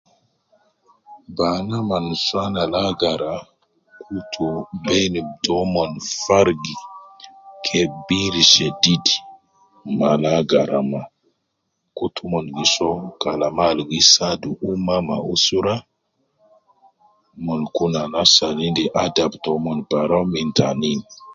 Banaa ma nusuwan al agara kutu beina taumon farigi kebiri shedid me al agara maa. Kutu umon gi soo kalama al gi saadu ummah ma usra, mon kun anas al endis adab taumon bara min tanin.